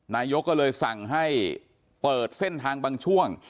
นายกก็เลยสั่งให้เปิดเส้นทางบางช่วง